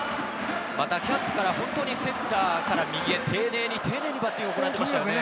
キャンプからセンターから右に丁寧に丁寧にバッティングを行っていました。